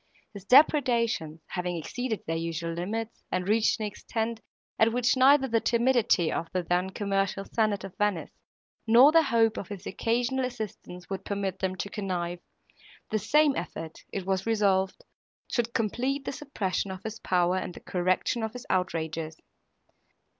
His depredations having exceeded their usual limits, and reached an extent, at which neither the timidity of the then commercial senate of Venice, nor their hope of his occasional assistance would permit them to connive, the same effort, it was resolved, should complete the suppression of his power and the correction of his outrages.